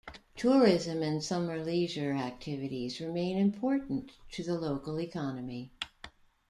Tourism and summer leisure activities remain important to the local economy.